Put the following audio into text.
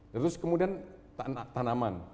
terus kemudian tanaman